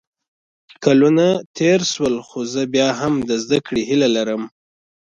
کلونه تېر شول خو زه بیا هم د زده کړې هیله لرم